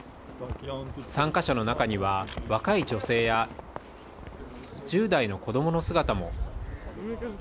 参加者の中には若い女性や１０代の子供の姿も。